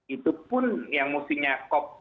itu pun yang mesti nyakop